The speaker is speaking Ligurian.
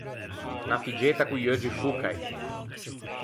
Unna figgetta co-i euggi foccai.